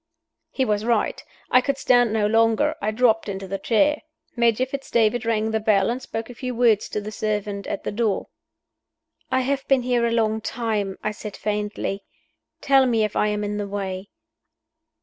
He was right. I could stand no longer; I dropped into the chair. Major Fitz David rang the bell, and spoke a few words to the servant at the door. "I have been here a long time," I said, faintly. "Tell me if I am in the way."